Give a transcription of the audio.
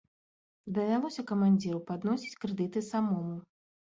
Давялося камандзіру падносіць крэдыты самому.